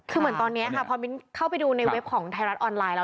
คือเหมือนตอนนี้ค่ะพอมิ้นเข้าไปดูในเว็บของไทยรัฐออนไลน์แล้ว